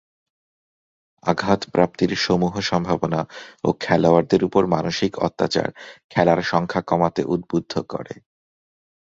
আঘাতপ্রাপ্তির সমূহ সম্ভাবনা ও খেলোয়াড়দের উপর মানসিক অত্যাচার খেলার সংখ্যা কমাতে উদ্বুদ্ধ করে।